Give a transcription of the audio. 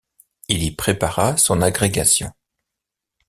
Il y prépara son agrégation.